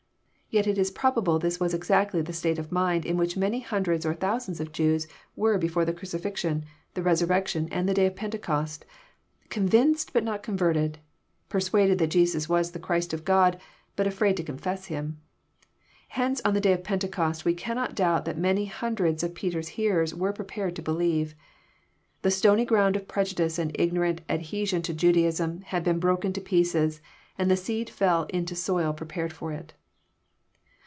Yet it is probable this was exactly the state of mind in which many hundreds or thousands of Jews were before the cruciflxion, the resurrection, and the day of Pentecost, convinced but not converted, persuaded that Jesus was the Christ of God, but aflraid to confess Him. Hence on the day of Pentecost we can not doubt that many hundreds of Peter's hearers were prepared to believe. The stony ground of prejudice and ignorant adhe sion to Judaism had been broken to pieces, and the seed fell in to soil prepared for it.